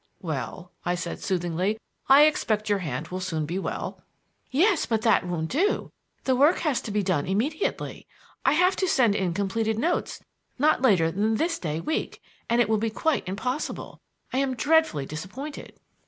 "Well," I said soothingly, "I expect your hand will soon be well." "Yes, but that won't do. The work has to be done immediately. I have to send in completed notes not later than this day week, and it will be quite impossible. I am dreadfully disappointed."